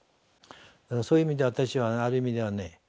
そういう意味で私はある意味ではね